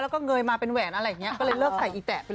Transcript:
แล้วก็เงยมาเป็นแหวนอะไรอย่างนี้ก็เลยเลิกใส่อีแตะไปเลย